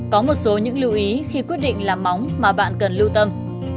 có một số những lưu ý khi quyết định làm móng mà bạn cần lưu tâm